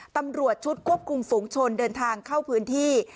ตำรวจชุดควบคุมฝูงชนเดินทางเข้าพื้นที่